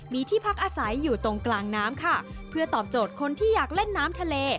มีที่พักอาศัยอยู่ตรงกลางน้ำค่ะเพื่อตอบโจทย์คนที่อยากเล่นน้ำทะเล